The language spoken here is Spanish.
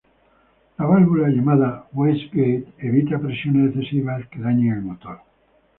La válvula llamada "waste-gate" evita presiones excesivas que dañen el motor.